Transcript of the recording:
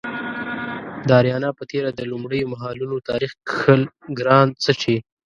د اریانا په تیره د لومړیو مهالونو تاریخ کښل ګران څه چې